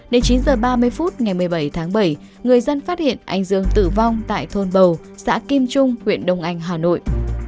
đến chín h ba mươi phút ngày một mươi bảy tháng bảy người dân phát hiện anh dương tử vong tại thôn bầu xã kim trung huyện đông anh hà nội